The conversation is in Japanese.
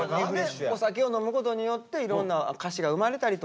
お酒を飲むことによっていろんな歌詞が生まれたりとか。